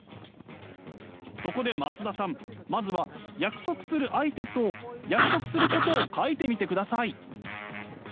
そこで松田さんまずは約束する相手と約束することを書いてみてください。